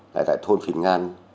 lại tại thôn phình ngan